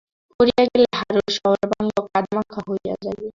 পড়িয়া গেলে হারুর সর্বাঙ্গ কাদামাখা হইয়া যাইবে।